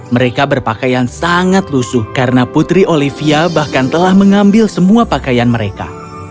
mereka berpakaian sangat lusuh karena putri olivia bahkan telah mengambil semua pakaian mereka